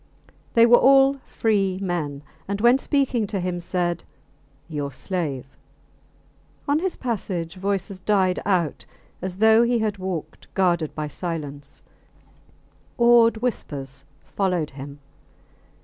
They were all free men, and when speaking to him said, Your slave. On his passage voices died out as though he had walked guarded by silence; awed whispers followed him.